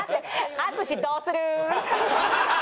淳どする？